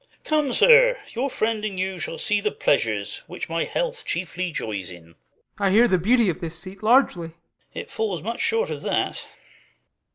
Come, sir, your friend and you shall see the pleasures Which my health chiefly joys in. Ah. I hear the beauty of this seat largely. Ver. It falls much short of that.